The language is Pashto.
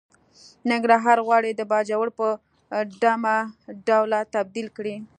ننګرهار غواړي د باجوړ په ډمه ډوله تبديل کړي.